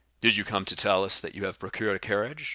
"Did you come to tell us you have procured a carriage?"